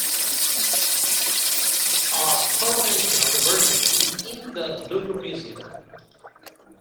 A "Coronation of the Virgin" is in the Louvre museum.